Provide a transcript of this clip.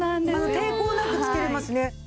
抵抗なく付けられますね。